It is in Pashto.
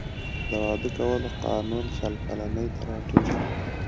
د واده کولو قانون شل کلنۍ ته راټیټ شو.